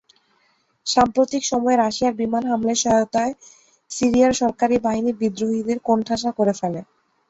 সাম্প্রতিক সময়ে রাশিয়ার বিমান হামলার সহায়তায় সিরিয়ার সরকারি বাহিনী বিদ্রোহীদের কোণঠাসা করে ফেলে।